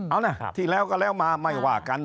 เอานะที่แล้วก็แล้วมาไม่ว่ากัน